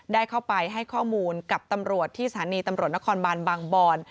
ได้เข้าไปให้ข้อมูลกับตำรวจที่สถานีตำรวจนครบานบางบอน